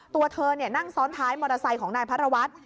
ตัวเธอนั่งซ้อนท้ายมอเตอร์ไซค์ของนายพระรวัตร